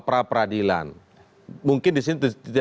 pra peradilan mungkin disini